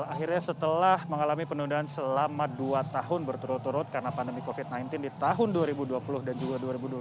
akhirnya setelah mengalami penundaan selama dua tahun berturut turut karena pandemi covid sembilan belas di tahun dua ribu dua puluh dan juga dua ribu dua puluh satu